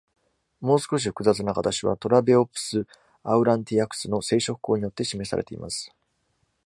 もう少し複雑な形は「Trabeops aurantiacus」の生殖孔によって示されています。